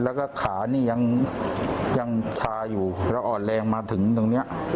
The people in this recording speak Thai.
แล้วก็ขานี่ยังชาอยู่แล้วอ่อนแรงมาถึงตรงนี้